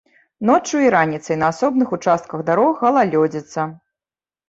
Ноччу і раніцай на асобных участках дарог галалёдзіца.